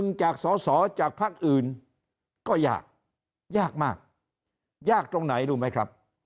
ดึงจากสสจากภาคอื่นก็ยากยากมากยากตรงไหนรู้ไหมครับ